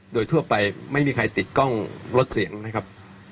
โดยทั่วไปไม่มีใครติดกล้องลดเสียงนะครับ